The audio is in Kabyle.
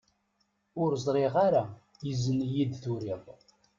Ur ẓriɣ ara izen iyi-d-turiḍ.